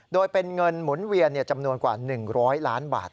โดยเป็นเงินหมุนเวียนจำนวนกว่า๑๐๐ล้านบาท